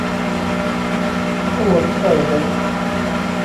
Awer t-tawḍed.